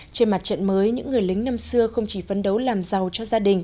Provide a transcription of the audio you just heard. trên mặt trận mới những người lính năm xưa không chỉ phấn đấu làm giàu cho gia đình